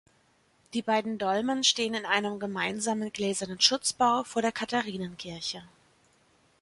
Die beiden Dolmen stehen in einem gemeinsamen gläsernen Schutzbau vor der Katharinenkirche.